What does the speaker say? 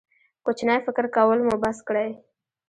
کوچنی فکر کول مو بس کړئ.